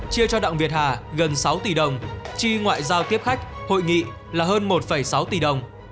chia cho đặng việt hà gần sáu tỷ đồng chi ngoại giao tiếp khách hội nghị là hơn một sáu tỷ đồng